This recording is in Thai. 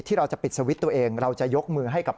เราจะปิดสวิตช์ตัวเองเราจะยกมือให้กับ